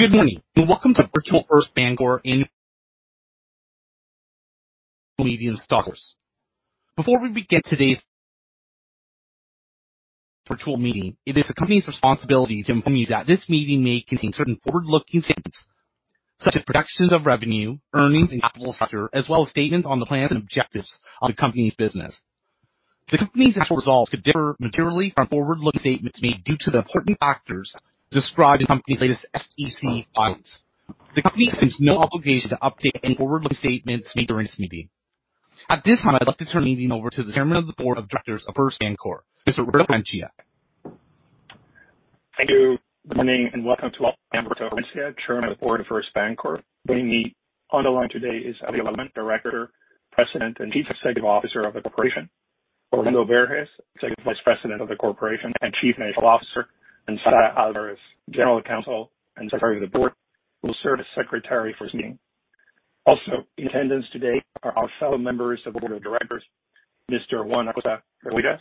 Good morning, and welcome to Virtual First BanCorp annual meeting of stockholders. Before we begin today's virtual meeting, it is the company's responsibility to inform you that this meeting may contain certain forward-looking statements such as projections of revenue, earnings, and capital structure, as well as statements on the plans and objectives of the company's business. The company's actual results could differ materially from forward-looking statements made due to the important factors described in company's latest SEC filings. The company assumes no obligation to update any forward-looking statements made during this meeting. At this time, I'd like to turn the meeting over to the Chairman of the Board of Directors of First BanCorp, Mr. Roberto Herencia. Thank you. Good morning, and welcome to all. I'm Roberto Herencia, Chairman of the Board of First BanCorp. Leading the online today is Aurelio Alemán, Director, President, and Chief Executive Officer of the Corporation; Orlando Berges, Executive Vice President of the Corporation and Chief Financial Officer; and Sara Alvarez, General Counsel and Secretary to the Board, who will serve as Secretary for this meeting. Also in attendance today are our fellow Members of the Board of Directors, Mr. Juan Acosta Reboyras,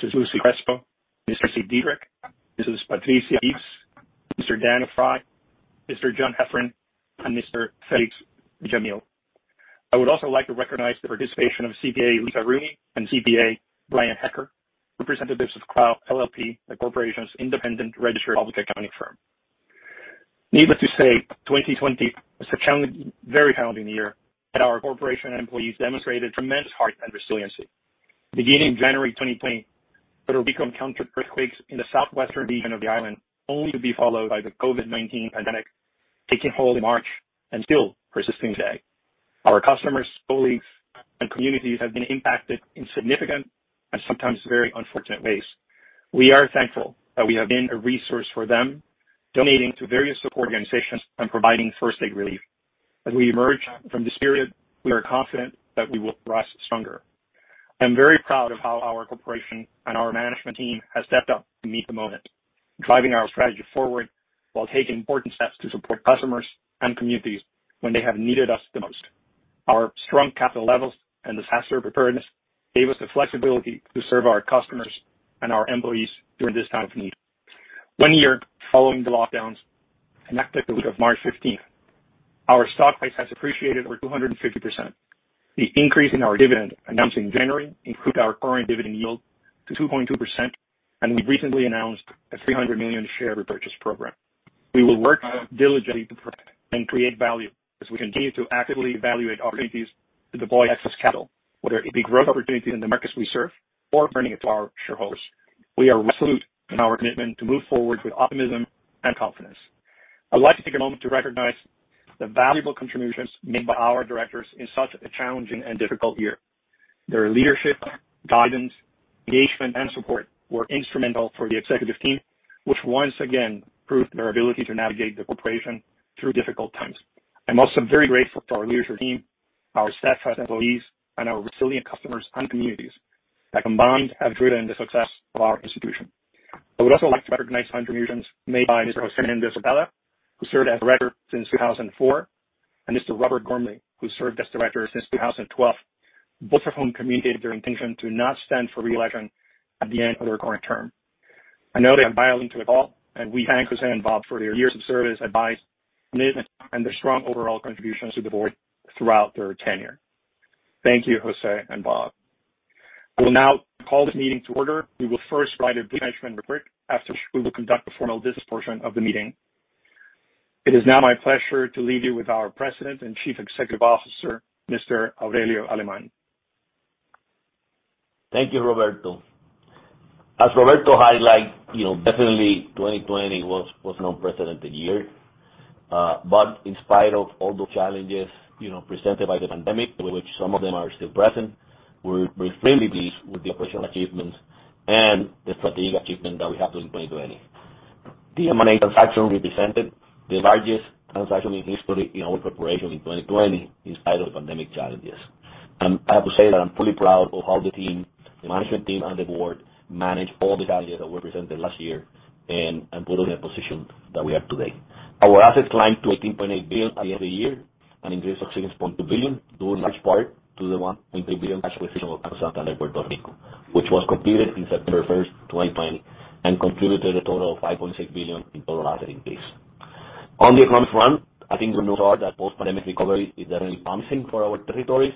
Mrs. Luz Crespo, Ms. Tracey Dedrick, Mrs. Patricia Eaves, Mr. Daniel Frye, Mr. John Heffern, and Mr. Félix Villamil. I would also like to recognize the participation of Mika Rimi and Brian Hecker, representatives of Crowe LLP, the Corporation's Independent Registered Public Accounting Firm. Needless to say, 2020 was a very challenging year that our Corporation employees demonstrated tremendous heart and resiliency. Beginning January 2020, Puerto Rico encountered earthquakes in the southwestern region of the island, only to be followed by the COVID-19 pandemic taking hold in March and still persisting today. Our customers, colleagues, and communities have been impacted in significant and sometimes very unfortunate ways. We are thankful that we have been a resource for them, donating to various organizations and providing first aid relief. As we emerge from this period, we are confident that we will rise stronger. I'm very proud of how our corporation and our management team has stepped up to meet the moment, driving our strategy forward while taking important steps to support customers and communities when they have needed us the most. Our strong capital levels and disaster preparedness gave us the flexibility to serve our customers and our employees during this time of need. One year following the lockdowns, effective March 15th, our stock price has appreciated over 250%. The increase in our dividend announced in January increased our current dividend yield to 2.2%, and we recently announced a $300 million share repurchase program. We will work diligently to protect and create value as we continue to actively evaluate opportunities to deploy excess capital, whether it be growth opportunities in the markets we serve or returning it to our shareholders. We are resolute in our commitment to move forward with optimism and confidence. I'd like to take a moment to recognize the valuable contributions made by our directors in such a challenging and difficult year. Their leadership, guidance, engagement, and support were instrumental for the executive team, which once again proved their ability to navigate the corporation through difficult times. I'm also very grateful to our leadership team, our staff, our employees, and our resilient customers and communities that combined have driven the success of our institution. I would also like to recognize contributions made by Mr. [Jose Isabella], who served as Director since 2004, and Mr. Robert Gormley, who served as Director since 2012, both of whom communicated their intention to not stand for re-election at the end of their current term. I know they have my thanks to them all, and we thank Jose and Bob for their years of service, advice, commitment, and their strong overall contributions to the board throughout their tenure. Thank you, Jose and Bob. I will now call this meeting to order. We will first write a brief statement of the record after which we will conduct the formal business portion of the meeting. It is now my pleasure to leave you with our President and Chief Executive Officer, Mr. Aurelio Alemán. Thank you, Roberto. As Roberto highlighted, definitely 2020 was an unprecedented year. In spite of all the challenges presented by the pandemic, which some of them are still present, we're pleased with the operational achievements and the strategic achievements that we have in 2020. The M&A transaction represented the largest transaction historically in our corporation in 2020 in spite of pandemic challenges. I have to say that I'm fully proud of how the team, the management team, and the board managed all the challenges that were presented last year and put us in a position that we have today. Our assets climbed to $18.8 billion at the end of the year, an increase of $6.2 billion, due in large part to the $1.3 billion acquisition of Banco Santander Puerto Rico, which was completed since September 1st, 2020, and contributed to the total of $5.6 billion in total assets base. On the economics front, I think you know that post-pandemic recovery is definitely promising for our territories.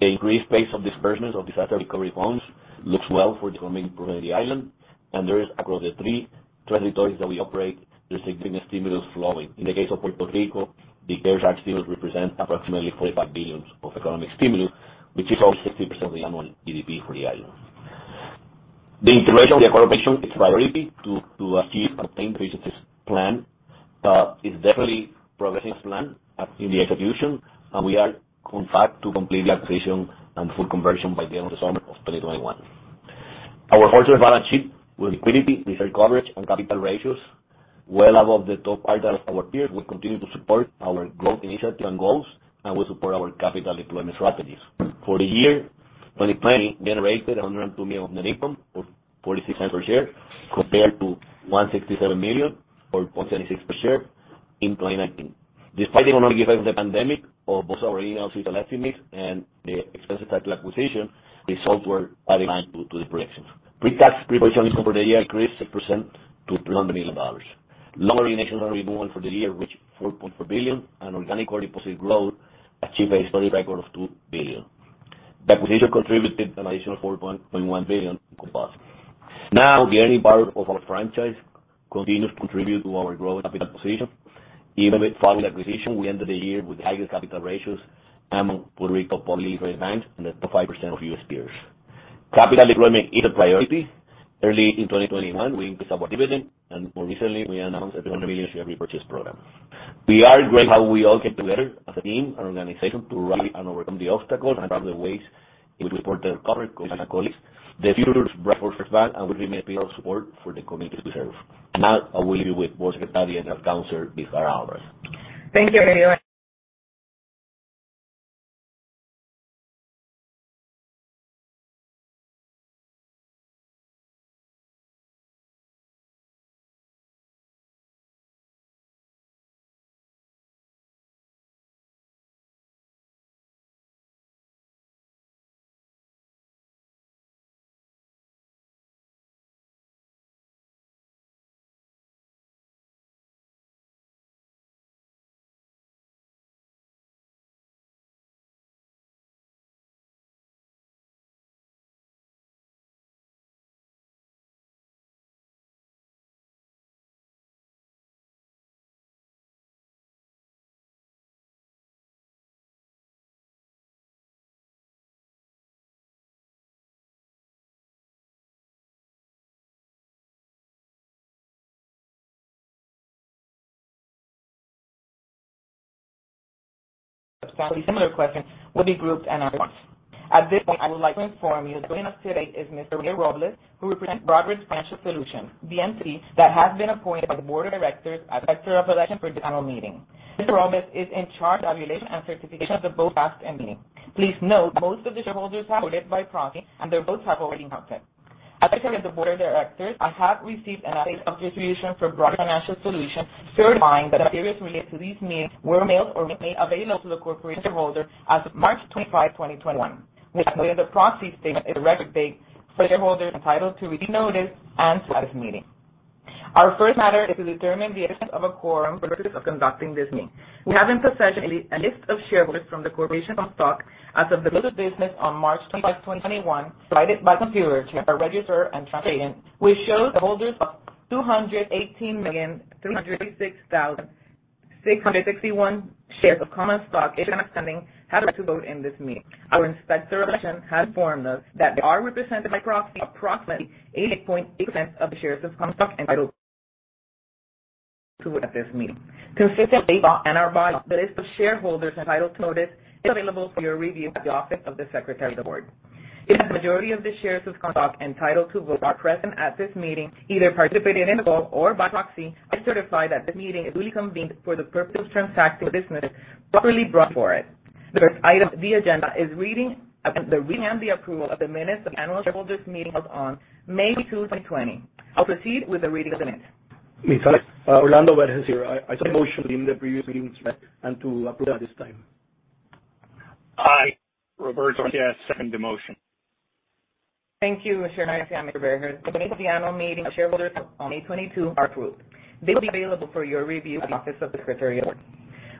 The increased pace of disbursement of disaster recovery loans looks well for the coming improvement of the island. Across the three territories that we operate, there's a significant stimulus flowing. In the case of Puerto Rico, the CARES Act still represents approximately $45 billion of economic stimulus, which is almost 50% of the annual GDP for the island. The integration of the corporation is ready to achieve the same phases as planned. It's definitely progressing as planned in the execution, and we are on track to complete the acquisition and full conversion by the end of the summer of 2021. Our core balance sheet with liquidity, reserve coverage, and capital ratios well above the top part of our peers will continue to support our growth initiative and goals and will support our capital deployment strategies. For the year 2020, we generated $102 million of net income or $0.46 per share compared to $167 million or $0.76 per share in 2019. Despite the economic effects of the pandemic on both our earnings and selected mix and the Santander acquisition, the results were aligned to the projections. Pre-tax pre-provision net income for the year increased 6% to $300 million. Loan originations and renewals for the year reached $4.4 billion, and organic core deposit growth achieved a historic record of $2 billion. The acquisition contributed an additional $4.1 billion in composite. The earning power of our franchise continues to contribute to our growing capital position. Even following the acquisition, we ended the year with the highest capital ratios among Puerto Rico publicly traded banks and the top 5% of U.S. peers. Capital deployment is a priority. Early in 2021, we increased our dividend. More recently, we announced a $300 million share repurchase program. We are grateful how we all came together as a team and organization to rise and overcome the obstacles and find the ways in which we supported our current co-workers and colleagues. The future is bright for First Ban. We remain a pillar of support for the communities we serve. I will leave you with Vice President and Chief Counsel, Sara Alvarez. Thank you, Aurelio. Substantially similar questions will be grouped and answered once. At this point, I would like to inform you that joining us today is Mr. Aurelio Robles, who represents Broadridge Financial Solutions, the entity that has been appointed by the board of directors as Inspector of Election for this annual meeting. Mr. Robles is in charge of the tabulation and certification of the votes cast in the meeting. Please note that most of the shareholders have voted by proxy, and their votes have already been counted. As Secretary of the board of directors, I have received an update of distribution from Broadridge Financial Solutions certifying that materials related to these meetings were mailed or made available to the corporation shareholders as of March 25, 2021. We have calculated the proxy statement as the record date for shareholders entitled to receive notice and to this meeting. Our first matter is to determine the existence of a quorum for the purpose of conducting this meeting. We have in possession a list of shareholders from the corporation of stock as of the close of business on March 25, 2021, provided by Computershare, our register and transfer agent, which shows shareholders of 218,366,661 shares of common stock issued and outstanding have the right to vote in this meeting. Our inspector of election has informed us that they are represented by proxy, approximately 88.8% of the shares of common stock entitled to vote at this meeting. Consistent with state law and our bylaws, the list of shareholders entitled to notice is available for your review at the office of the Secretary of the Board. If the majority of the shares of common stock entitled to vote are present at this meeting, either participating in the call or by proxy, I certify that this meeting is duly convened for the purpose of transacting the business properly brought before it. The first item of the agenda is the reading and the approval of the minutes of the annual shareholders meeting held on May 22, 2020. I'll proceed with the reading of the minutes. Orlando here. I second the motion to read the previous meeting's minutes and to approve them at this time. I, Roberto, second the motion. Thank you, Mr. Roberto Herencia. The minutes of the annual meeting of shareholders held on May 22 are approved. They will be available for your review at the office of the Secretary of the Board.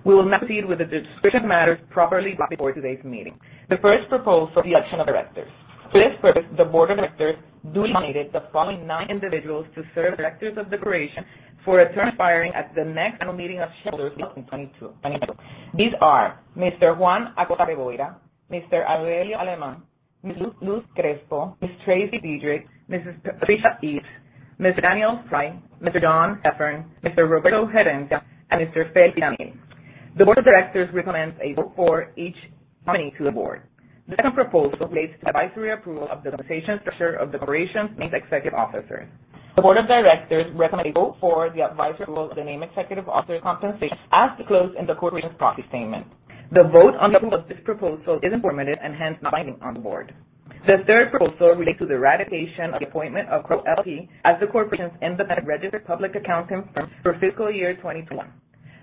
We will now proceed with the description of matters properly before today's meeting. The first proposal is the election of directors. For this purpose, the board of directors duly nominated the following nine individuals to serve as directors of the corporation for a term expiring at the next annual meeting of shareholders in 2022. These are Mr. Juan Acosta Reboyras, Mr. Aurelio Alemán, Ms. Luz Crespo, Ms. Tracey Dedrick, Mrs. Patricia Eaves, Mr. Daniel Frye, Mr. John Heffern, Mr. Roberto Herencia, and Mr. Félix Villamil. The board of directors recommends a vote for each nominee to the board. The second proposal relates to the advisory approval of the compensation structure of the corporation's named executive officers. The board of directors recommends a vote for the advisory approval of the named executive officers' compensation as disclosed in the corporation's proxy statement. The vote on the approval of this proposal is informative and hence not binding on the board. The third proposal relates to the ratification of the appointment of Crowe LLP as the corporation's independent registered public accounting firm for fiscal year 2021.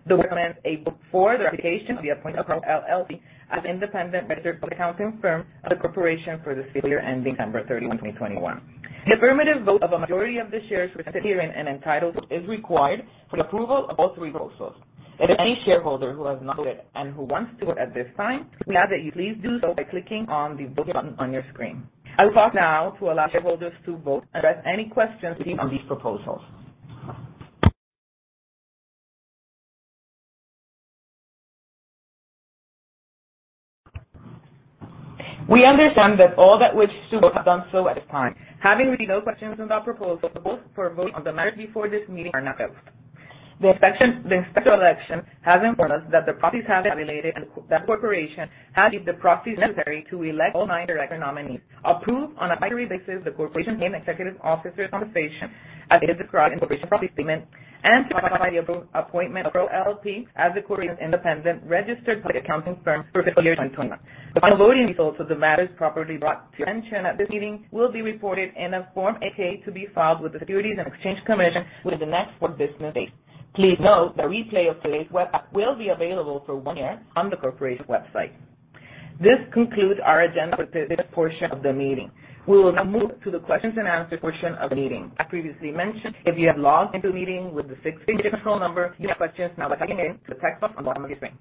The board recommends a vote for the ratification of the appointment of Crowe LLP as the independent registered public accounting firm of the corporation for this fiscal year ending December 31, 2021. The affirmative vote of a majority of the shares represented herein and entitled to vote is required for the approval of all three proposals. If there's any shareholder who has not voted and who wants to vote at this time, we ask that you please do so by clicking on the voting button on your screen. I will pause now to allow shareholders to vote and address any questions received on these proposals. We understand that all that wish to vote have done so at this time. Having received no questions on the proposals, the polls for voting on the matters before this meeting are now closed. The inspector of election has informed us that the proxies have been tabulated, and that the corporation has received the proxies necessary to elect all nine director nominees, approve on advisory basis the corporation's named executive officers' compensation as it is described in the corporation's proxy statement, and to ratify the appointment of Crowe LLP as the corporation's independent registered public accounting firm for fiscal year 2021. The final voting results of the matters properly brought to your attention at this meeting will be reported in a Form 8-K to be filed with the Securities and Exchange Commission within the next four business days. Please note the replay of today's webcast will be available for one year on the corporation's website. This concludes our agenda for the business portion of the meeting. We will now move to the questions and answer portion of the meeting. As previously mentioned, if you have logged into the meeting with the six-digit control number, you may ask questions now by typing into the text box on the bottom of your screen.